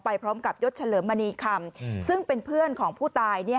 พร้อมกับยศเฉลิมมณีคำซึ่งเป็นเพื่อนของผู้ตาย